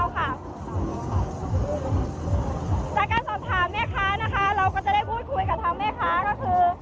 จากการสอบถามแม่ค้านะคะเราก็จะได้พูดคุยกับทางแม่ค้าก็คือ